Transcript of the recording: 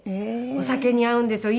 お酒に合うんですよ